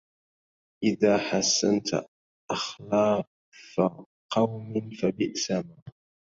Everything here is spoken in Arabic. إذا حسنت أخلاف قوم فبئسما